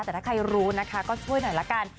แต่ถ้าใครรู้นะคะก็ช่วยหน่อยละกัน